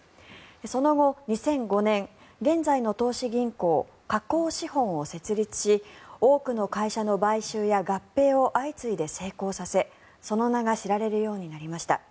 その後、２００５年現在の投資銀行、華興資本を設立し多くの会社の買収や合併を相次いで成功させその名が知られるようになりました。